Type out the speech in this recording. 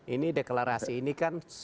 ini deklarasi ini kan